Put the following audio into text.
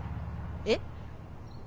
えっ？